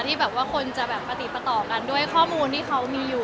ที่แบบว่าคนจะแบบปฏิปต่อกันด้วยข้อมูลที่เขามีอยู่